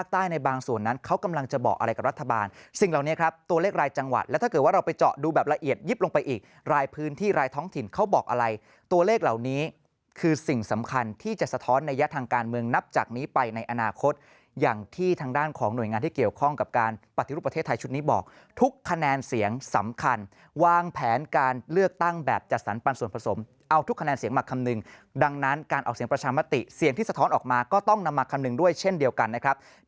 ตัวเลขเหล่านี้คือสิ่งสำคัญที่จะสะท้อนในยะทางการเมืองนับจากนี้ไปในอนาคตอย่างที่ทางด้านของหน่วยงานที่เกี่ยวข้องกับการปฏิรูปประเทศไทยชุดนี้บอกทุกคะแนนเสียงสำคัญวางแผนการเลือกตั้งแบบจัดสรรปันส่วนผสมเอาทุกคะแนนเสียงมาคำนึงดังนั้นการออกเสียงประชามาติเสียงที่สะท้อนออกมาก็ต้องนำมาคำ